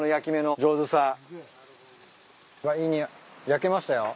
焼けましたよ。